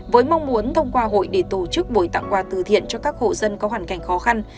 với mong muốn thông qua hội để tổ chức buổi tặng quà từ thiện cho các hộ dân có hoàn cảnh khó khăn